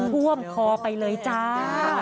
ท่วมคอไปเลยจ้า